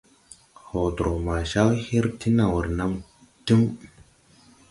Hotrɔ ma caw her ti naw renam Tim.